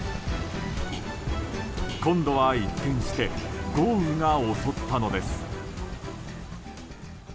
今度は一転して豪雨が襲ったのです。